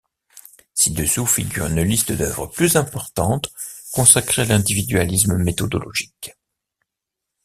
Ci-dessous figure une liste d'œuvres plus importante consacrée à l'individualisme méthodologique.